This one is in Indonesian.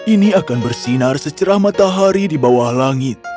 ini akan bersinar secerah matahari di bawah langit